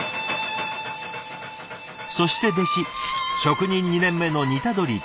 そして弟子職人２年目の似鳥透さん。